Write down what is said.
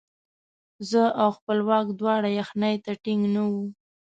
زه او خپلواک دواړه یخنۍ ته ټینګ نه وو.